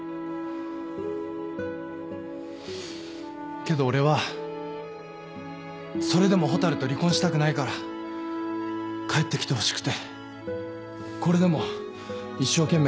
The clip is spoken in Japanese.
けど俺はそれでも蛍と離婚したくないから帰ってきてほしくてこれでも一生懸命頑張って。